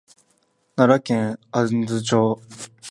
奈良県安堵町